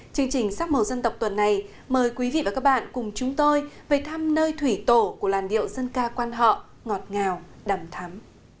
chương trình sắc màu dân tộc tuần này mời quý vị và các bạn cùng chúng tôi về thăm nơi thủy tổ của làn điệu dân ca quan họ ngọt ngào đầm thắm